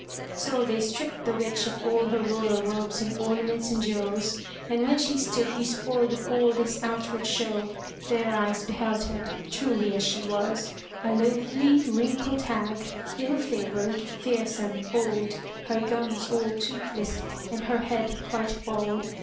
So they stripped the witch of all her royal robes and orna ments and jewels and when she stood despoiled of all this outward show, their eyes beheld her truly as she was, a loathly, wrinkled hag, ill favored, fearsome, old, her gums all toothless and her head quite bald.